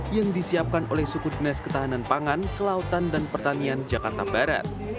yang disiapkan oleh suku dinas ketahanan pangan kelautan dan pertanian jakarta barat